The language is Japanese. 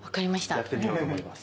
やってみようと思います。